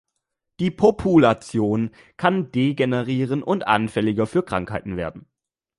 Die Population kann degenerieren und anfälliger für Krankheiten werden.